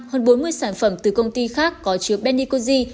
hơn bốn mươi sản phẩm từ công ty khác có chứa bennycozi